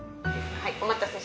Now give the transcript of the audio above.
はい。